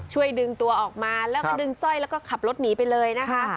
ช่วยดึงตัวออกมาแล้วก็ดึงสร้อยแล้วก็ขับรถหนีไปเลยนะคะ